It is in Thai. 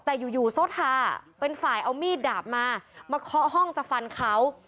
แต่อยู่โซทาเป็นฝ่ายเอามีดดาบมามาเคาะห้องจะฟันเขา